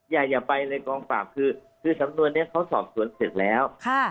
อย่าอย่าไปเลยกองปราบคือคือสำนวนเนี้ยเขาสอบสวนเสร็จแล้วค่ะ